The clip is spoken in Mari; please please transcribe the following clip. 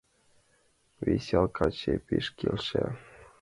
Вес ял каче, пеш келша.